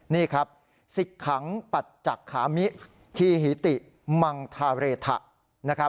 นี่ครับศิกขังปัจจักขามิฮิติมังธาเรทะ